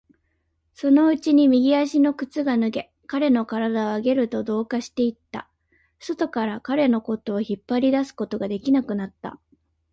そのうちに右足の靴が脱げ、彼の体はゲルと同化していった。外から彼のことを引っ張り出すことができなくなった。